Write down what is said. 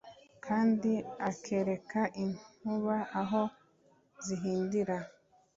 kandi akereka inkuba aho zihindira